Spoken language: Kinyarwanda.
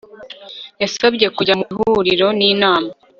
yasabye kujya mu ihuriro n inama